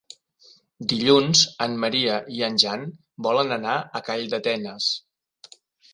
Dilluns en Maria i en Jan volen anar a Calldetenes.